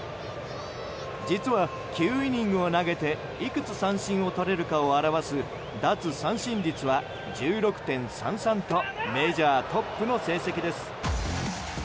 実は９イニングを投げていくつ三振をとれるかを表す奪三振率は１６．３３とメジャートップの成績です。